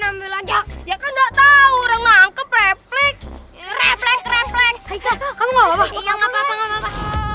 hai nama belajar ya kan enggak tahu orang nangkep reflek reflek reflek hai kamu apa apa